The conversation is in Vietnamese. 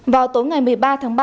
vào tối ngày một mươi ba tháng ba